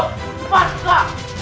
hey penjero cepat selam